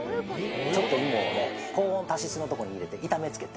ちょっと芋を高温多湿の所に入れて、痛めつけて。